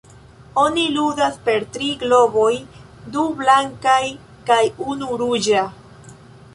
Oni ludas per tri globoj: du blankaj kaj unu ruĝa.